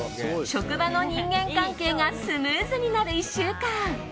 職場の人間関係がスムーズになる１週間。